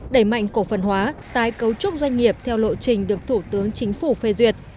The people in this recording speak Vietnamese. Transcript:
đẩy mạnh cổ phần hóa tái cấu trúc doanh nghiệp theo lộ trình được thủ tướng chính phủ phê duyệt